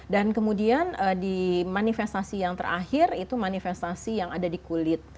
dan kemudian di manifestasi yang terakhir itu manifestasi yang ada di kulit